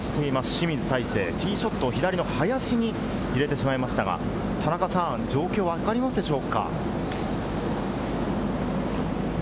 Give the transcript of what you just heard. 清水大成、ティーショット左の林に入れてしまいましたが、状況はわかりますでしょうか？